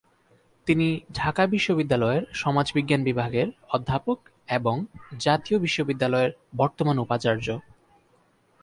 তিনি ঢাকা বিশ্ববিদ্যালয়ের সমাজবিজ্ঞান বিভাগের অধ্যাপক এবং জাতীয় বিশ্ববিদ্যালয়ের বর্তমান উপাচার্য।